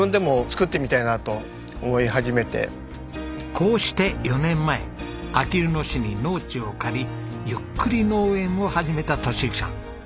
こうして４年前あきる野市に農地を借りゆっくり農縁を始めた敏之さん。